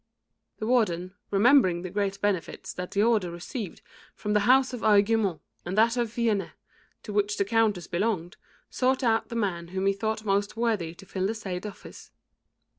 The Warden, remembering the great benefits that the Order received from the house of Aiguemont and that of Fiennes, to which the Countess belonged, sought out the man whom he thought most worthy to fill the said office.